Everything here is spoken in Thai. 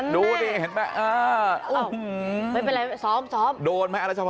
ดูดิเห็นไหมเออไม่เป็นไรซ้อมซ้อมโดนไหมอรัชพร